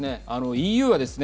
ＥＵはですね